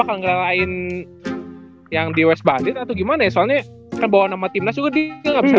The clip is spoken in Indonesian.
yang ngelalain yang di west badir atau gimana ya soalnya kebawa nama timnas juga dia nggak bisa